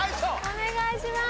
お願いします！